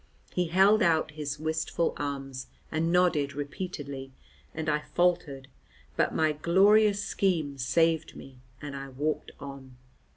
He held out his wistful arms and nodded repeatedly, and I faltered, but my glorious scheme saved me, and I walked on.